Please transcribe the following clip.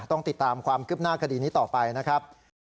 ต้องติดตามความคืบหน้าคดีนี้ต่อไปนะครับ